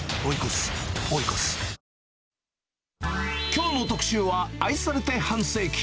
きょうの特集は、愛されて半世紀。